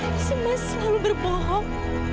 kenapa sih mas selalu berbohong